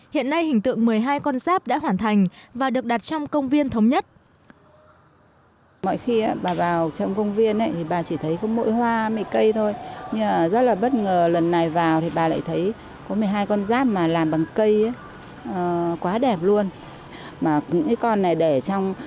hiện nay hình tượng một mươi hai con giáp đã hoàn thành và được đặt trong công viên thống nhất